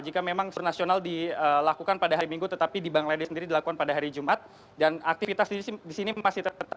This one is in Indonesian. jika memang pernasional dilakukan pada hari minggu tetapi di bangladesh sendiri dilakukan pada hari jumat dan aktivitas di sini masih tetap